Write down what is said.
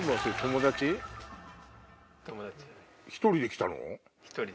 １人で来たの？